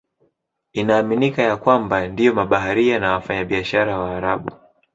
Inaaminika ya kwamba ndio mabaharia na wafanyabiashara Waarabu.